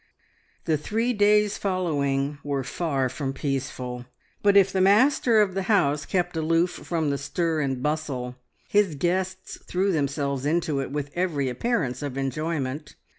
The three days following were far from peaceful, but if the master of the house kept aloof from the stir and bustle, his guests threw themselves into it with every appearance of enjoyment.